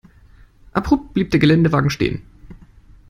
Abrupt blieb der Geländewagen stehen.